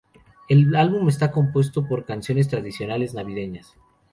El álbum está compuesto por canciones tradicionales navideñas.